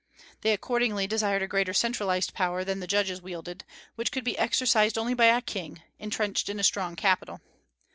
They accordingly desired a greater centralized power than the Judges wielded, which could be exercised only by a king, intrenched in a strong capital.